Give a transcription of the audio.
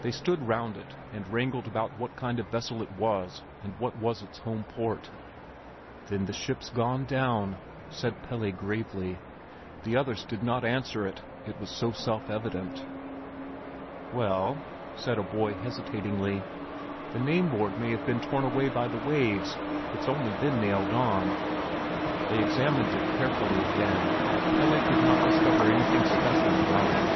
They stood round it and wrangled about what kind of vessel it was and what was its home port. "Then the ship's gone down," said Pelle gravely. The others did not answer; it was so self evident. "Well," said a boy hesitatingly, "the name board may have been torn away by the waves; it's only been nailed on." They examined it carefully again; Pelle could not discover anything special about it.